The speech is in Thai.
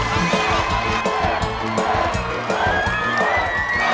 เผ่า